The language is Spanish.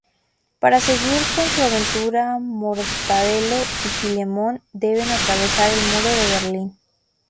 Para seguir con su aventura Mortadelo y Filemón deben atravesar el Muro de Berlín.